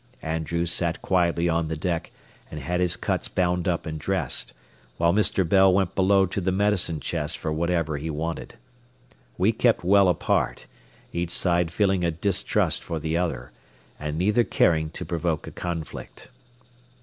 Andrews sat quietly on the deck and had his cuts bound up and dressed, while Mr. Bell went below to the medicine chest for whatever he wanted. We kept well apart, each side feeling a distrust for the other, and neither caring to provoke a conflict.